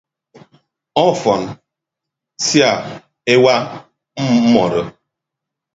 Ọfọn sia ewa mmọdo.